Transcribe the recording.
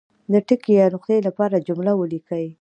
د ټکي یا نقطې لپاره جمله ولیکي.